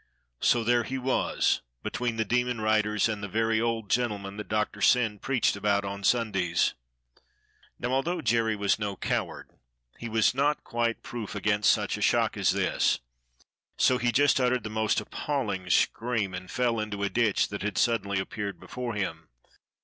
So there he was between the demon riders and the very old gentleman that Doctor Syn preached about on Sundays. Now, although Jerry was no coward, he was not quite proof against such a shock as this, so he just uttered the most appalling scream and fell into a ditch that had suddenly appeared before him.